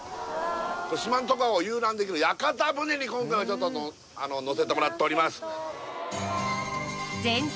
これ四万十川を遊覧できる屋形船に今回はちょっと乗せてもらっております